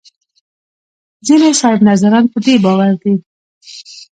ځینې صاحب نظران په دې باور دي.